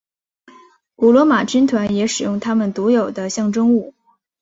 古罗马军团也使用他们独有的象征物。